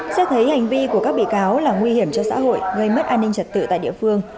xét thấy hành vi của các bị cáo là nguy hiểm cho xã hội gây mất an ninh trật tự tại địa phương